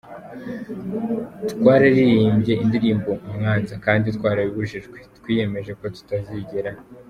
twararirimbye indirimbo ‘Mwanza’ kandi twarabibujijwe, twiyemeje ko tutazigera